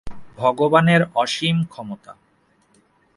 ভগবানের অসীম ক্ষমতা।